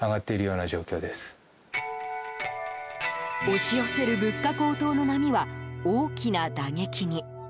押し寄せる物価高騰の波は大きな打撃に。